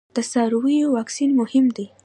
د څارویو واکسین مهم دی